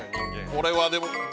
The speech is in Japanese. ◆これはでも。